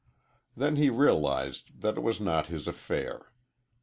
Then he realized that it was not his affair.